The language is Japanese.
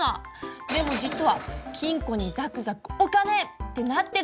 でも実は金庫にザクザクお金！！ってなってるのかも。